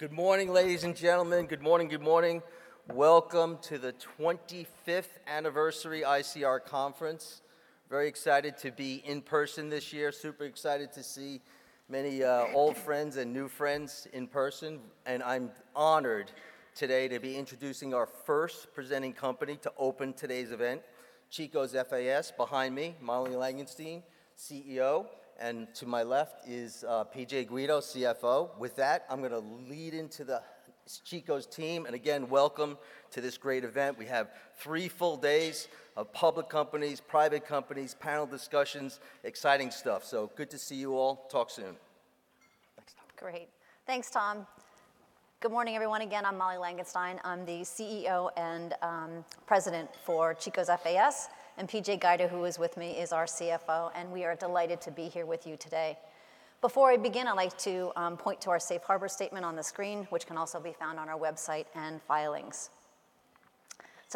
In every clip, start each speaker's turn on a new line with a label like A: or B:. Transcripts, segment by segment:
A: Good morning, ladies and gentlemen. Good morning. Good morning. Welcome to the 25th anniversary ICR Conference. Very excited to be in person this year. Super excited to see many old friends and new friends in person, and I'm honored today to be introducing our first presenting company to open today's event, Chico's FAS. Behind me, Molly Langenstein, CEO, and to my left is P.J. Guido, CFO. With that, I'm gonna lead into the Chico's team, and again, welcome to this great event. We have three full days of public companies, private companies, panel discussions, exciting stuff. Good to see you all. Talk soon.
B: Great. Thanks, Tom. Good morning, everyone. Again, I'm Molly Langenstein. I'm the CEO and President for Chico's FAS, and P.J. Guido, who is with me, is our CFO, and we are delighted to be here with you today. Before I begin, I'd like to point to our safe harbor statement on the screen, which can also be found on our website and filings.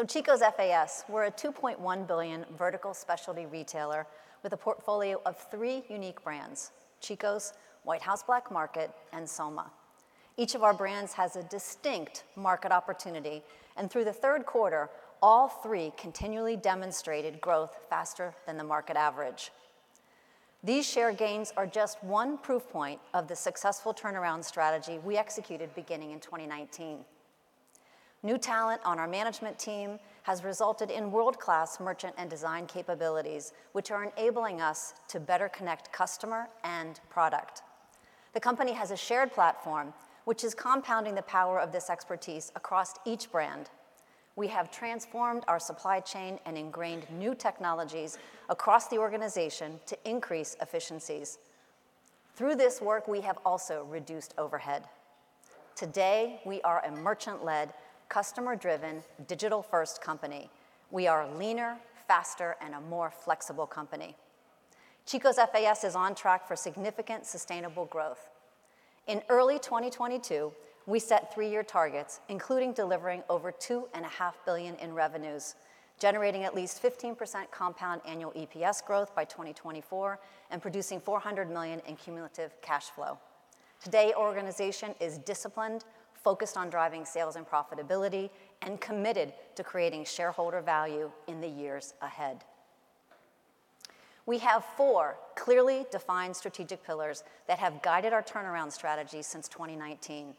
B: Chico's FAS, we're a $2.1 billion vertical specialty retailer with a portfolio of three unique brands: Chico's, White House Black Market, and Soma. Each of our brands has a distinct market opportunity, and through the third quarter, all three continually demonstrated growth faster than the market average. These share gains are just one proof point of the successful turnaround strategy we executed beginning in 2019. New talent on our management team has resulted in world-class merchant and design capabilities, which are enabling us to better connect customer and product. The company has a shared platform, which is compounding the power of this expertise across each brand. We have transformed our supply chain and ingrained new technologies across the organization to increase efficiencies. Through this work, we have also reduced overhead. Today, we are a merchant-led, customer-driven, digital-first company. We are a leaner, faster, and a more flexible company. Chico's FAS is on track for significant sustainable growth. In early 2022, we set three-year targets, including delivering over $2.5 billion in revenues, generating at least 15% compound annual EPS growth by 2024, and producing $400 million in cumulative cash flow. Today, our organization is disciplined, focused on driving sales and profitability, and committed to creating shareholder value in the years ahead. We have four clearly defined strategic pillars that have guided our turnaround strategy since 2019: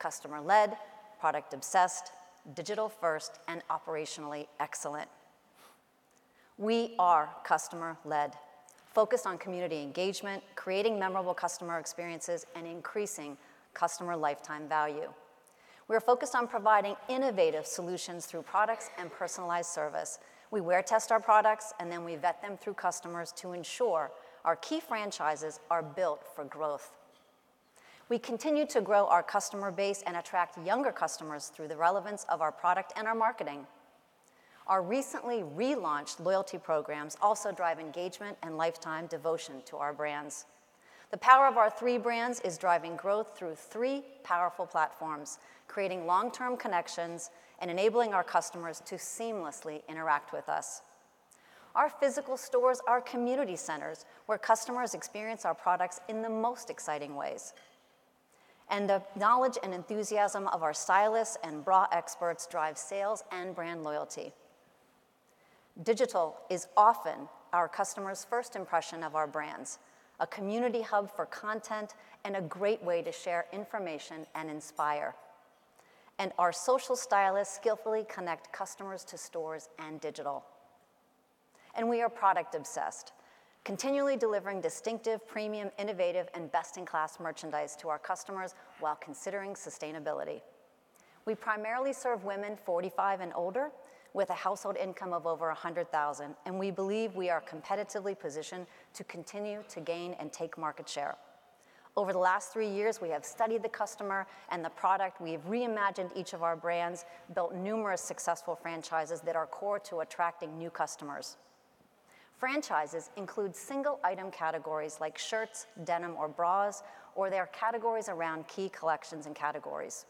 B: customer-led, product-obsessed, digital-first, and operationally excellent. We are customer-led, focused on community engagement, creating memorable customer experiences, and increasing customer lifetime value. We are focused on providing innovative solutions through products and personalized service. We wear test our products, and then we vet them through customers to ensure our key franchises are built for growth. We continue to grow our customer base and attract younger customers through the relevance of our product and our marketing. Our recently relaunched loyalty programs also drive engagement and lifetime devotion to our brands. The power of our three brands is driving growth through three powerful platforms, creating long-term connections and enabling our customers to seamlessly interact with us. Our physical stores are community centers where customers experience our products in the most exciting ways. The knowledge and enthusiasm of our stylists and bra experts drive sales and brand loyalty. Digital is often our customers' first impression of our brands, a community hub for content, and a great way to share information and inspire. Our social stylists skillfully connect customers to stores and digital. We are product-obsessed, continually delivering distinctive, premium, innovative, and best-in-class merchandise to our customers while considering sustainability. We primarily serve women 45 and older with a household income of over $100,000, and we believe we are competitively positioned to continue to gain and take market share. Over the last 3 years, we have studied the customer and the product. We've reimagined each of our brands, built numerous successful franchises that are core to attracting new customers. Franchises include single item categories like shirts, denim, or bras, or they are categories around key collections and categories.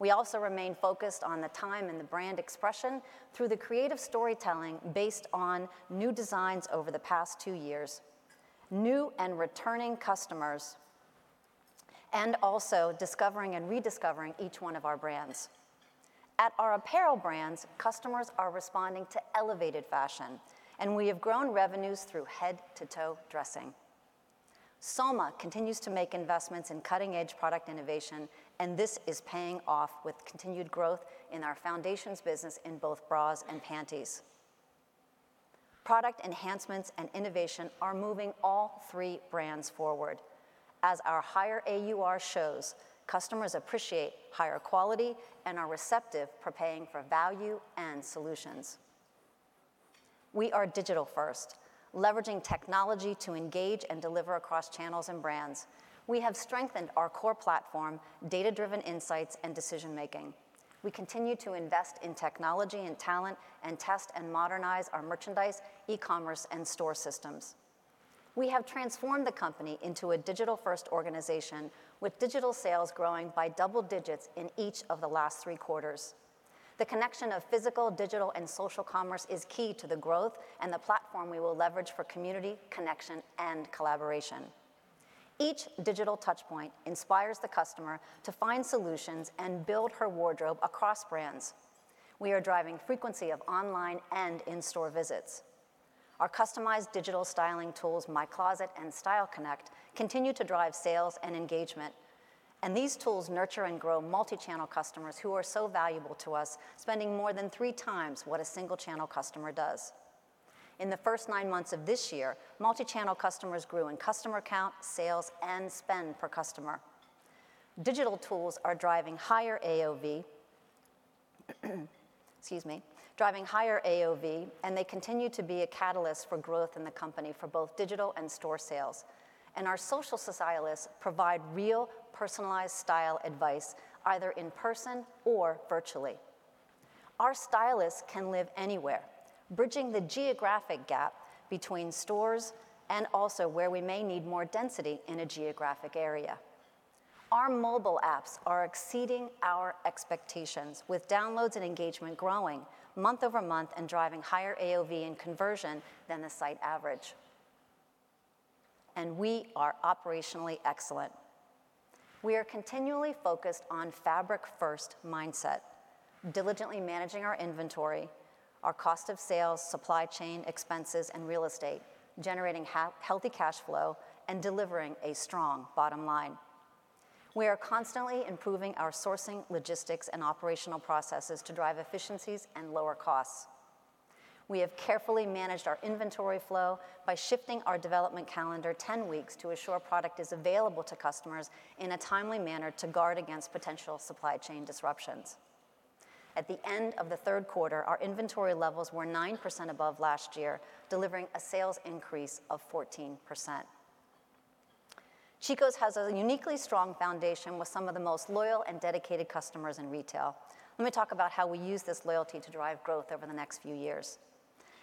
B: We also remain focused on the time and the brand expression through the creative storytelling based on new designs over the past 2 years, new and returning customers, and also discovering and rediscovering each one of our brands. At our apparel brands, customers are responding to elevated fashion. We have grown revenues through head-to-toe dressing. Soma continues to make investments in cutting-edge product innovation. This is paying off with continued growth in our foundations business in both bras and panties. Product enhancements and innovation are moving all 3 brands forward. As our higher AUR shows, customers appreciate higher quality and are receptive for paying for value and solutions. We are digital-first, leveraging technology to engage and deliver across channels and brands. We have strengthened our core platform, data-driven insights, and decision-making. We continue to invest in technology and talent and test and modernize our merchandise, e-commerce, and store systems. We have transformed the company into a digital-first organization with digital sales growing by double digits in each of the last three quarters. The connection of physical, digital, and social commerce is key to the growth and the platform we will leverage for community, connection, and collaboration. Each digital touchpoint inspires the customer to find solutions and build her wardrobe across brands. We are driving frequency of online and in-store visits. Our customized digital styling tools, My Closet and Style Connect, continue to drive sales and engagement. These tools nurture and grow multi-channel customers who are so valuable to us, spending more than three times what a single-channel customer does. In the first 9 months of this year, multi-channel customers grew in customer count, sales, and spend per customer. Digital tools are driving higher AOV. They continue to be a catalyst for growth in the company for both digital and store sales. Our social stylists provide real personalized style advice either in person or virtually. Our stylists can live anywhere, bridging the geographic gap between stores and also where we may need more density in a geographic area. Our mobile apps are exceeding our expectations with downloads and engagement growing month-over-month and driving higher AOV and conversion than the site average. We are operationally excellent. We are continually focused on fabric-first mindset, diligently managing our inventory, our cost of sales, supply chain expenses, and real estate, generating healthy cash flow, and delivering a strong bottom line. We are constantly improving our sourcing, logistics, and operational processes to drive efficiencies and lower costs. We have carefully managed our inventory flow by shifting our development calendar 10 weeks to assure product is available to customers in a timely manner to guard against potential supply chain disruptions. At the end of the third quarter, our inventory levels were 9% above last year, delivering a sales increase of 14%. Chico's has a uniquely strong foundation with some of the most loyal and dedicated customers in retail. Let me talk about how we use this loyalty to drive growth over the next few years.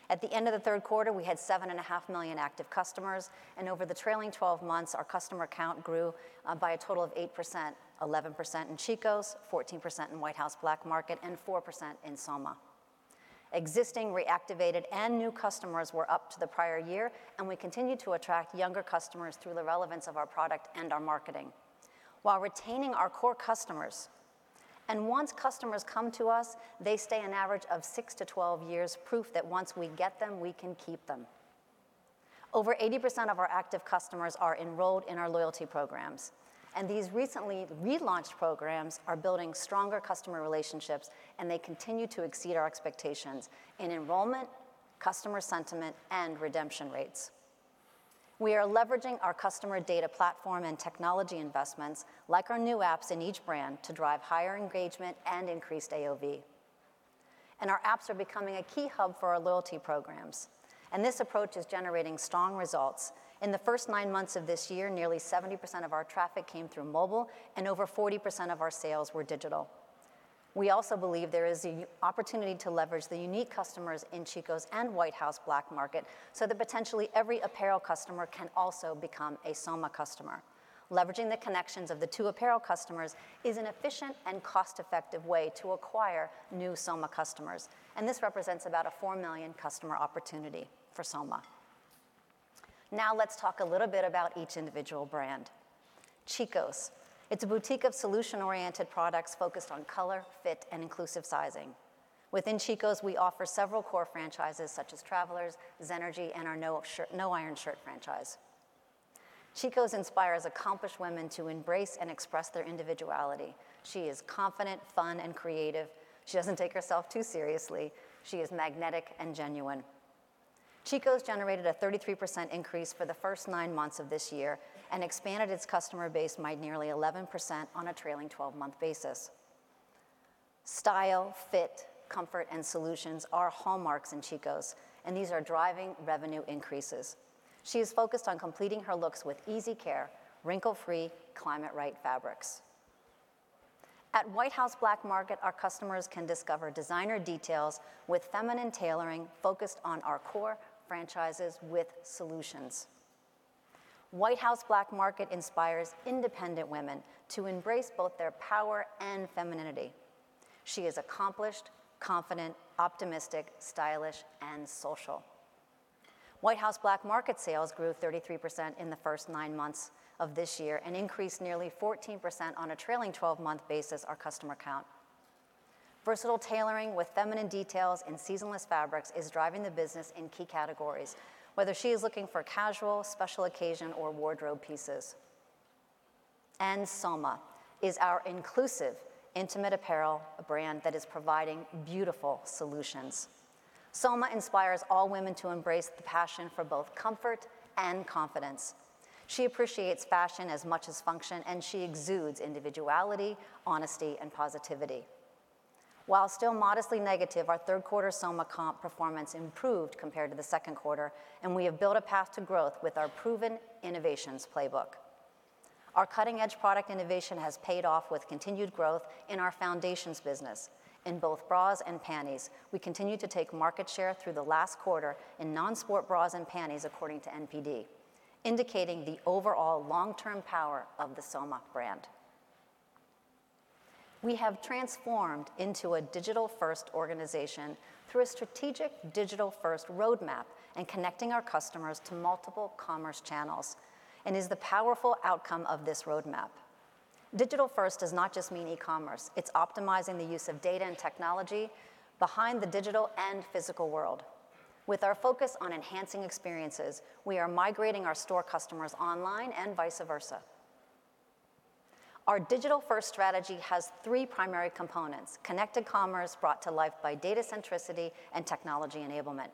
B: At the end of the third quarter, we had 7.5 million active customers, and over the trailing 12 months, our customer count grew by a total of 8%, 11% in Chico's, 14% in White House Black Market, and 4% in Soma. Existing reactivated and new customers were up to the prior year. We continue to attract younger customers through the relevance of our product and our marketing while retaining our core customers. Once customers come to us, they stay an average of 6-12 years, proof that once we get them, we can keep them. Over 80% of our active customers are enrolled in our loyalty programs, and these recently relaunched programs are building stronger customer relationships, and they continue to exceed our expectations in enrollment, customer sentiment, and redemption rates. We are leveraging our customer data platform and technology investments, like our new apps in each brand, to drive higher engagement and increased AOV. Our apps are becoming a key hub for our loyalty programs, and this approach is generating strong results. In the first nine months of this year, nearly 70% of our traffic came through mobile and over 40% of our sales were digital. We also believe there is a opportunity to leverage the unique customers in Chico's and White House Black Market so that potentially every apparel customer can also become a Soma customer. Leveraging the connections of the two apparel customers is an efficient and cost-effective way to acquire new Soma customers, and this represents about a 4 million customer opportunity for Soma. Now let's talk a little bit about each individual brand. Chico's. It's a boutique of solution-oriented products focused on color, fit, and inclusive sizing. Within Chico's, we offer several core franchises such as Travelers, Zenergy, and our No-Iron Shirt franchise. Chico's inspires accomplished women to embrace and express their individuality. She is confident, fun, and creative. She doesn't take herself too seriously. She is magnetic and genuine. Chico's generated a 33% increase for the first nine months of this year and expanded its customer base by nearly 11% on a trailing twelve-month basis. Style, fit, comfort, and solutions are hallmarks in Chico's, and these are driving revenue increases. She is focused on completing her looks with easy care, wrinkle-free ClimateRight fabrics. At White House Black Market, our customers can discover designer details with feminine tailoring focused on our core franchises with solutions. White House Black Market inspires independent women to embrace both their power and femininity. She is accomplished, confident, optimistic, stylish, and social. White House Black Market sales grew 33% in the first 9 months of this year and increased nearly 14% on a trailing 12-month basis our customer count. Versatile tailoring with feminine details and seasonless fabrics is driving the business in key categories, whether she is looking for casual, special occasion, or wardrobe pieces. Soma is our inclusive intimate apparel, a brand that is providing beautiful solutions. Soma inspires all women to embrace the passion for both comfort and confidence. She appreciates fashion as much as function, and she exudes individuality, honesty, and positivity. While still modestly negative, our third quarter Soma comp performance improved compared to the second quarter, and we have built a path to growth with our proven innovations playbook. Our cutting-edge product innovation has paid off with continued growth in our foundations business. In both bras and panties, we continued to take market share through the last quarter in non-sport bras and panties according to NPD. Indicating the overall long-term power of the Soma brand. We have transformed into a digital-first organization through a strategic digital-first roadmap and connecting our customers to multiple commerce channels, and is the powerful outcome of this roadmap. Digital-first does not just mean e-commerce, it's optimizing the use of data and technology behind the digital and physical world. With our focus on enhancing experiences, we are migrating our store customers online and vice versa. Our digital-first strategy has three primary components: connected commerce brought to life by data centricity and technology enablement.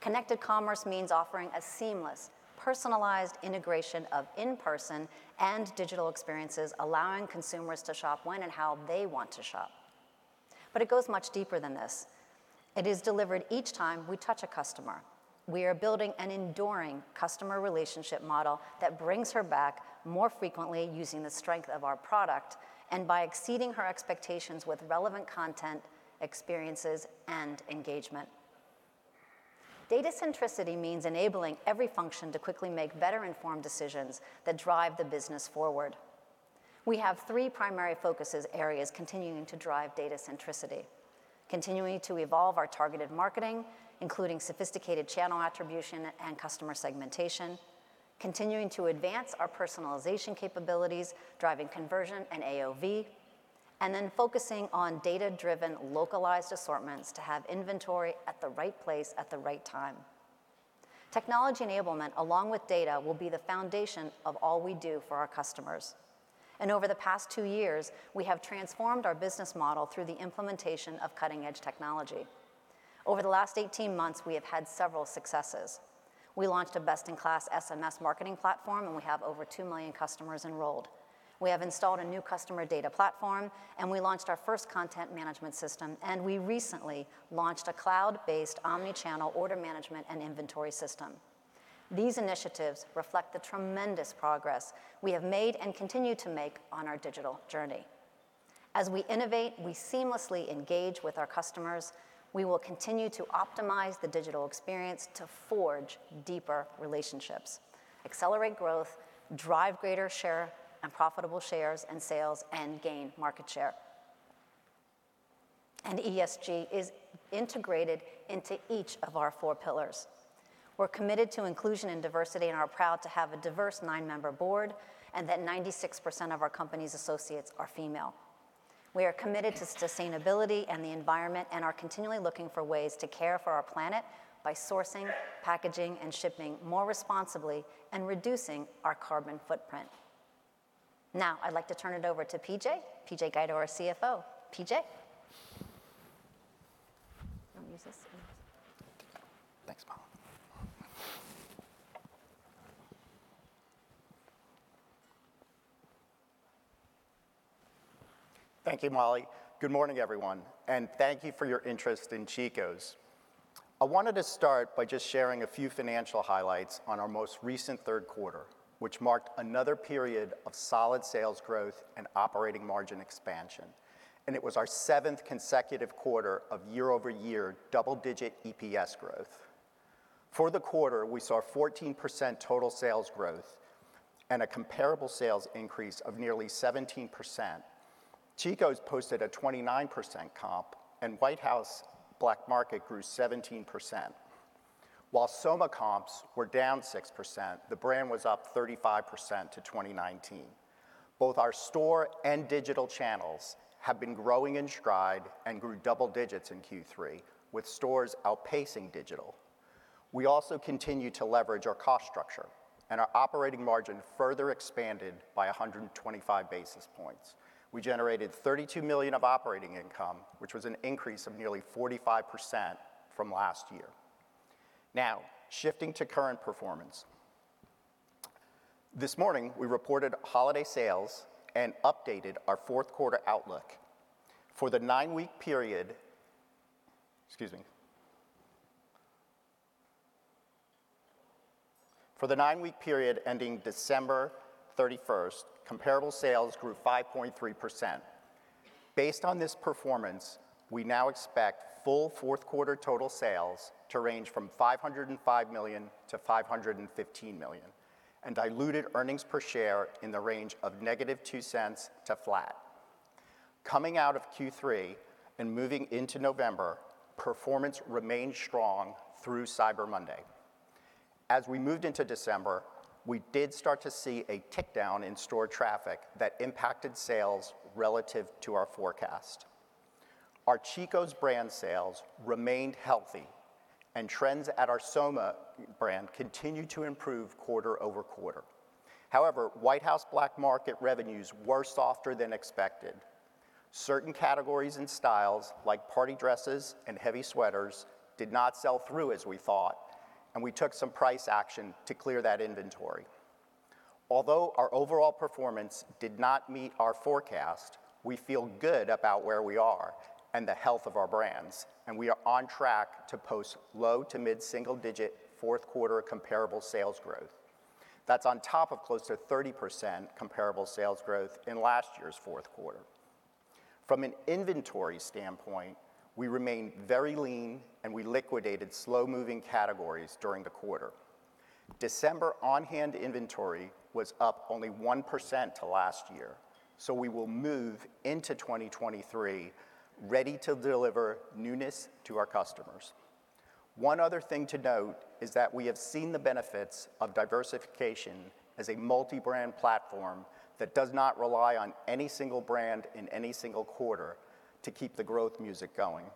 B: Connected commerce means offering a seamless, personalized integration of in-person and digital experiences, allowing consumers to shop when and how they want to shop. It goes much deeper than this. It is delivered each time we touch a customer. We are building an enduring customer relationship model that brings her back more frequently using the strength of our product and by exceeding her expectations with relevant content, experiences, and engagement. Data centricity means enabling every function to quickly make better-informed decisions that drive the business forward. We have three primary focuses areas continuing to drive data centricity: continuing to evolve our targeted marketing, including sophisticated channel attribution and customer segmentation, continuing to advance our personalization capabilities, driving conversion and AOV, and then focusing on data-driven localized assortments to have inventory at the right place at the right time. Technology enablement, along with data, will be the foundation of all we do for our customers. Over the past two years, we have transformed our business model through the implementation of cutting-edge technology. Over the last 18 months, we have had several successes. We launched a best-in-class SMS marketing platform, and we have over 2 million customers enrolled. We have installed a new customer data platform, and we launched our first content management system, and we recently launched a cloud-based omnichannel order management and inventory system. These initiatives reflect the tremendous progress we have made and continue to make on our digital journey. As we innovate, we seamlessly engage with our customers. We will continue to optimize the digital experience to forge deeper relationships, accelerate growth, drive greater share and profitable shares and sales, and gain market share. ESG is integrated into each of our four pillars. We're committed to inclusion and diversity and are proud to have a diverse nine-member board, and that 96% of our company's associates are female. We are committed to sustainability and the environment and are continually looking for ways to care for our planet by sourcing, packaging, and shipping more responsibly and reducing our carbon footprint. I'd like to turn it over to P.J., P.J. Guido, our CFO. P.J. You wanna use this?
C: Thanks, Molly. Thank you, Molly. Good morning, everyone, thank you for your interest in Chico's. I wanted to start by just sharing a few financial highlights on our most recent third quarter, which marked another period of solid sales growth and operating margin expansion. It was our 7th consecutive quarter of year-over-year double-digit EPS growth. For the quarter, we saw 14% total sales growth and a comparable sales increase of nearly 17%. Chico's posted a 29% comp, White House Black Market grew 17%. While Soma comps were down 6%, the brand was up 35% to 2019. Both our store and digital channels have been growing in stride and grew double digits in Q3, with stores outpacing digital. We also continue to leverage our cost structure, our operating margin further expanded by 125 basis points. We generated $32 million of operating income, which was an increase of nearly 45% from last year. Now, shifting to current performance. This morning, we reported holiday sales and updated our fourth quarter outlook. For the 9-week period, Excuse me. For the 9-week period ending December 31st, comparable sales grew 5.3%. Based on this performance, we now expect full fourth quarter total sales to range from $505 million to $515 million, and diluted earnings per share in the range of -$0.02 to flat. Coming out of Q3 and moving into November, performance remained strong through Cyber Monday. As we moved into December, we did start to see a tick down in store traffic that impacted sales relative to our forecast. Our Chico's brand sales remained healthy, and trends at our Soma brand continued to improve quarter-over-quarter. White House Black Market revenues were softer than expected. Certain categories and styles, like party dresses and heavy sweaters, did not sell through as we thought, and we took some price action to clear that inventory. Although our overall performance did not meet our forecast, we feel good about where we are and the health of our brands, and we are on track to post low-to-mid single-digit fourth quarter comparable sales growth. That's on top of close to 30% comparable sales growth in last year's fourth quarter. From an inventory standpoint, we remain very lean and we liquidated slow-moving categories during the quarter. December on-hand inventory was up only 1% to last year, so we will move into 2023 ready to deliver newness to our customers. One other thing to note is that we have seen the benefits of diversification as a multi-brand platform that does not rely on any single brand in any single quarter to keep the growth music going.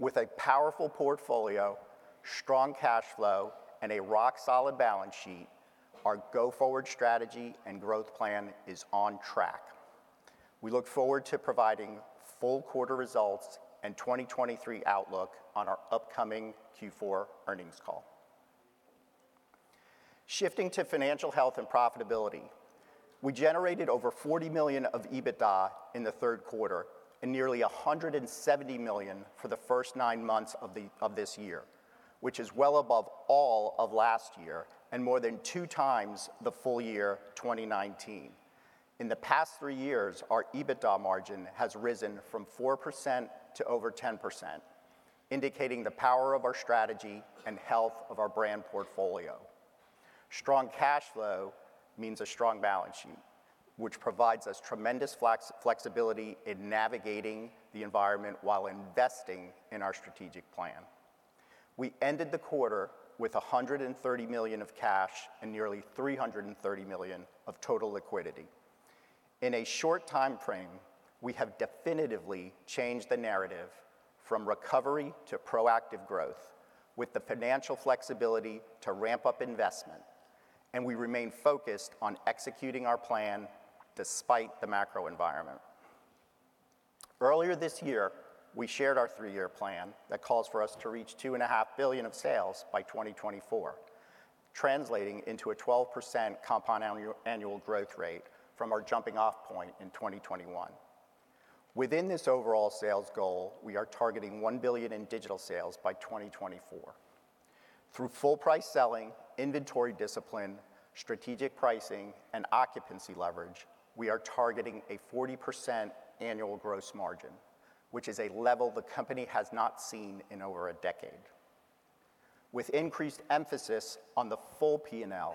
C: With a powerful portfolio, strong cash flow, and a rock-solid balance sheet, our go-forward strategy and growth plan is on track. We look forward to providing full quarter results and 2023 outlook on our upcoming Q4 earnings call. Shifting to financial health and profitability, we generated over $40 million of EBITDA in the third quarter and nearly $170 million for the first nine months of this year, which is well above all of last year and more than 2x the full year 2019. In the past three years, our EBITDA margin has risen from 4% to over 10%, indicating the power of our strategy and health of our brand portfolio. Strong cash flow means a strong balance sheet, which provides us tremendous flexibility in navigating the environment while investing in our strategic plan. We ended the quarter with $130 million of cash and nearly $330 million of total liquidity. In a short time frame, we have definitively changed the narrative from recovery to proactive growth with the financial flexibility to ramp up investment. We remain focused on executing our plan despite the macro environment. Earlier this year, we shared our three-year plan that calls for us to reach $2.5 billion of sales by 2024, translating into a 12% compound annual growth rate from our jumping-off point in 2021. Within this overall sales goal, we are targeting $1 billion in digital sales by 2024. Through full price selling, inventory discipline, strategic pricing, and occupancy leverage, we are targeting a 40% annual gross margin, which is a level the company has not seen in over a decade. With increased emphasis on the full PNL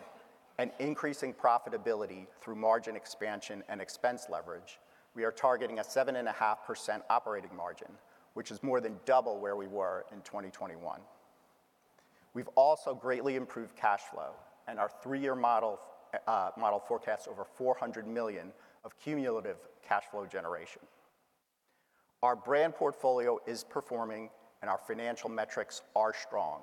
C: and increasing profitability through margin expansion and expense leverage, we are targeting a 7.5% operating margin, which is more than double where we were in 2021. We've also greatly improved cash flow. Our three-year model forecasts over $400 million of cumulative cash flow generation. Our brand portfolio is performing. Our financial metrics are strong.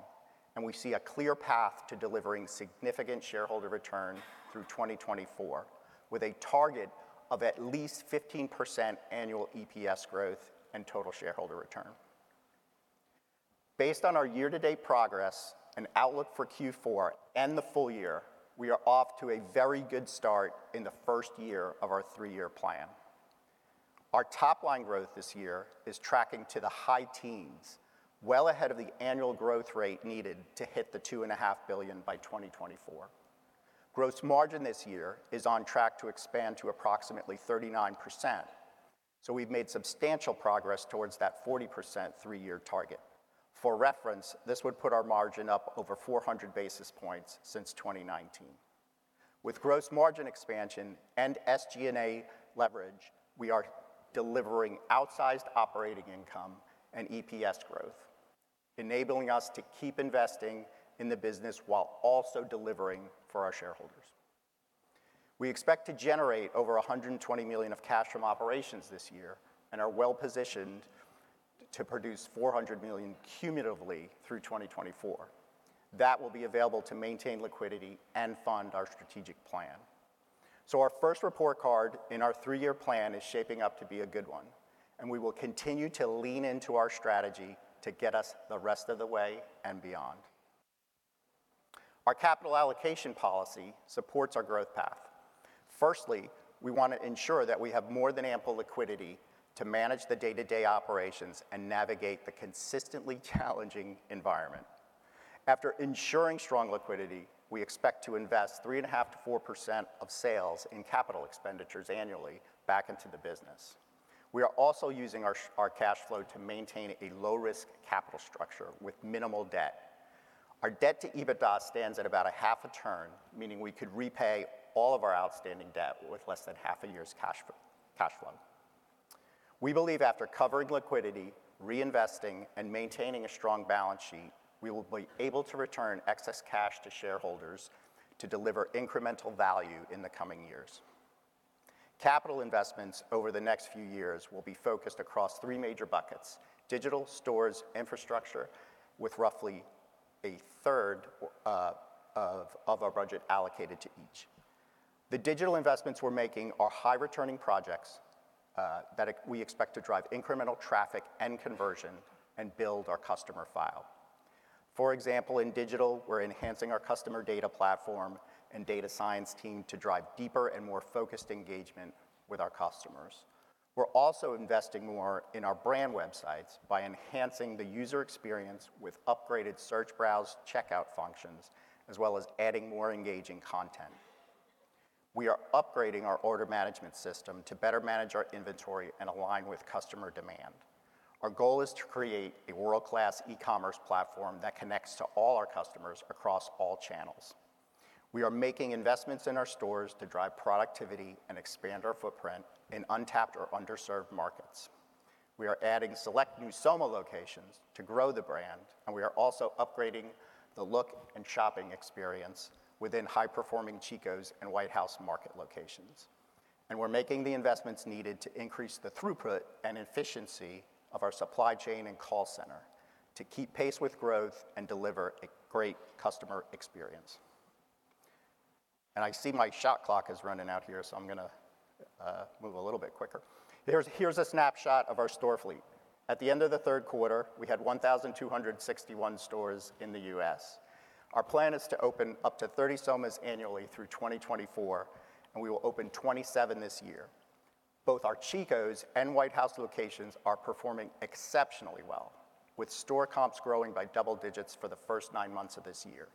C: We see a clear path to delivering significant shareholder return through 2024, with a target of at least 15% annual EPS growth and total shareholder return. Based on our year-to-date progress and outlook for Q4 and the full year, we are off to a very good start in the first year of our three-year plan. Our top-line growth this year is tracking to the high teens, well ahead of the annual growth rate needed to hit the $2.5 billion by 2024. Gross margin this year is on track to expand to approximately 39%. We've made substantial progress towards that 40% three-year target. For reference, this would put our margin up over 400 basis points since 2019. With gross margin expansion and SG&A leverage, we are delivering outsized operating income and EPS growth, enabling us to keep investing in the business while also delivering for our shareholders. We expect to generate over $120 million of cash from operations this year and are well-positioned to produce $400 million cumulatively through 2024. That will be available to maintain liquidity and fund our strategic plan. Our first report card in our 3-year plan is shaping up to be a good one, and we will continue to lean into our strategy to get us the rest of the way and beyond. Our capital allocation policy supports our growth path. Firstly, we wanna ensure that we have more than ample liquidity to manage the day-to-day operations and navigate the consistently challenging environment. After ensuring strong liquidity, we expect to invest 3.5%-4% of sales in capital expenditures annually back into the business. We are also using our cash flow to maintain a low-risk capital structure with minimal debt. Our debt to EBITDA stands at about a half a turn, meaning we could repay all of our outstanding debt with less than half a year's cash flow. We believe after covering liquidity, reinvesting, and maintaining a strong balance sheet, we will be able to return excess cash to shareholders to deliver incremental value in the coming years. Capital investments over the next few years will be focused across three major buckets: digital, stores, infrastructure, with roughly a third of our budget allocated to each. The digital investments we're making are high-returning projects that we expect to drive incremental traffic and conversion and build our customer file. For example, in digital, we're enhancing our customer data platform and data science team to drive deeper and more focused engagement with our customers. We're also investing more in our brand websites by enhancing the user experience with upgraded search, browse, checkout functions, as well as adding more engaging content. We are upgrading our order management system to better manage our inventory and align with customer demand. Our goal is to create a world-class e-commerce platform that connects to all our customers across all channels. We are making investments in our stores to drive productivity and expand our footprint in untapped or underserved markets. We are adding select new Soma locations to grow the brand. We are also upgrading the look and shopping experience within high-performing Chico's and White House Black Market locations. We're making the investments needed to increase the throughput and efficiency of our supply chain and call center to keep pace with growth and deliver a great customer experience. I see my shot clock is running out here, so I'm gonna move a little bit quicker. Here's a snapshot of our store fleet. At the end of the third quarter, we had 1,261 stores in the U.S. Our plan is to open up to 30 Somas annually through 2024. We will open 27 this year. Both our Chico's and White House locations are performing exceptionally well, with store comps growing by double digits for the first 9 months of this year.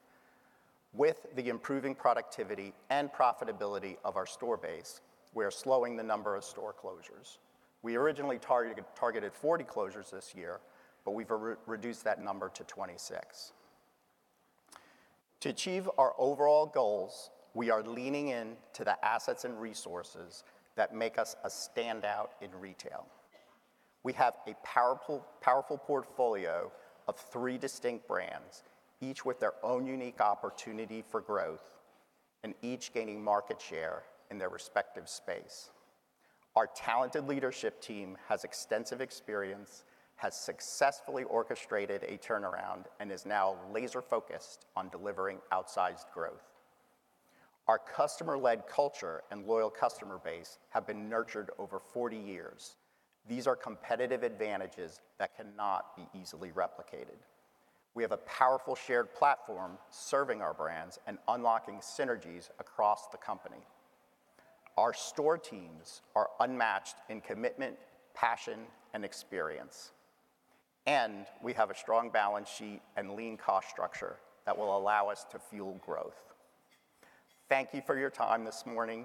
C: With the improving productivity and profitability of our store base, we are slowing the number of store closures. We originally targeted 40 closures this year, we've re-reduced that number to 26. To achieve our overall goals, we are leaning into the assets and resources that make us a standout in retail. We have a powerful portfolio of 3 distinct brands, each with their own unique opportunity for growth and each gaining market share in their respective space. Our talented leadership team has extensive experience, has successfully orchestrated a turnaround, is now laser-focused on delivering outsized growth. Our customer-led culture and loyal customer base have been nurtured over 40 years. These are competitive advantages that cannot be easily replicated. We have a powerful shared platform serving our brands and unlocking synergies across the company. Our store teams are unmatched in commitment, passion, and experience. We have a strong balance sheet and lean cost structure that will allow us to fuel growth. Thank you for your time this morning.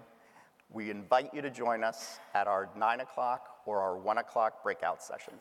C: We invite you to join us at our 9:00 A.M. or our 1:00 P.M. breakout sessions.